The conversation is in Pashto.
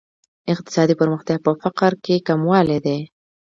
اقتصادي پرمختیا په فقر کې کموالی دی.